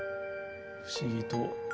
不思議と。